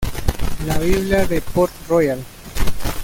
La Biblia de Port-Royal